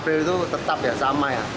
april itu tetap ya sama ya